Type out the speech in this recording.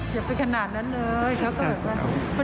อย่าไปขนาดนั้นเลยเขาก็แบบว่า